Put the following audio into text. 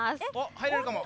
入れるかも。